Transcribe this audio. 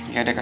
iya deh kak